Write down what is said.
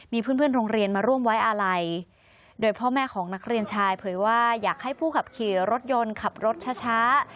มีเพื่อนเพื่อนโรงเรียนมาร่วมไว้อาลัยโดยพ่อแม่ของนักเรียนชายเผยว่าอยากให้ผู้ขับขี่รถยนต์ขับรถช้าช้า